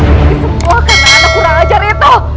ini semua karena anak kurang ajar itu